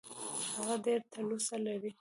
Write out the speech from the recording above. هغه ډېره تلوسه لري .